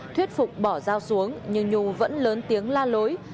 thuyết phục bỏ dao xuống nhưng nhu vẫn lớn tiếng la lối